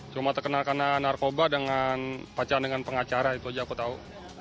cuma terkenal karena narkoba dengan pacaran dengan pengacara itu aja aku tahu